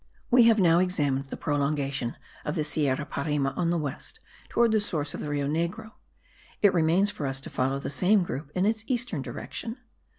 We have now examined the prolongation of the Sierra Parime on the west, towards the source of the Rio Negro: it remains for us to follow the same group in its eastern direction.